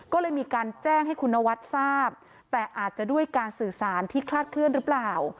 ก็เลยมีการแจ้งให้คุณนวัดทราบแต่อาจจะด้วยการสื่อสารที่คลาดเคลื่อนหรือเปล่า